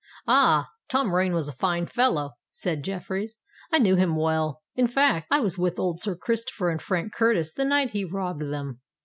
"Ah! Tom Rain was a fine fellow!" said Jeffreys. "I knew him well. In fact, I was with old Sir Christopher and Frank Curtis the night he robbed them.